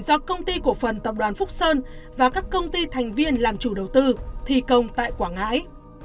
do công ty cổ phần tập đoàn phúc sơn và các công ty thành viên làm chủ đầu tư thi công tại quảng ngãi